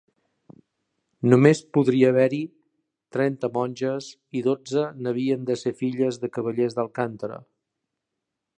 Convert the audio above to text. Només podria haver-hi trenta monges i dotze n'havien de ser filles de cavallers d'Alcántara.